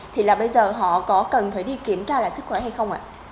thì là bây giờ họ có cần phải đi kiểm tra lại sức khỏe hay không ạ